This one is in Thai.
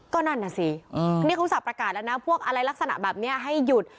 ก็นั่นน่ะสินี่เขาสับประกาศแล้วนะพวกอะไรลักษณะแบบนี้ให้หยุด